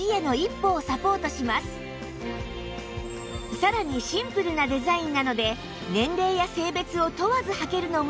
さらにシンプルなデザインなので年齢や性別を問わず履けるのも魅力